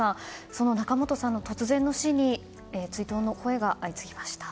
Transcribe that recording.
その仲本さんの突然の死に追悼の声が相次ぎました。